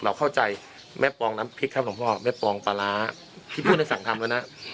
เราเข้าใจแม่ปองน้ำพริกหลังพ่อแม่ปองปลาร้าพี่พูดในสังธารณะนะ